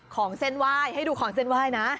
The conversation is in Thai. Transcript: ข้อนเซ้นวายให้ดูข้อนเซ้นวายนะ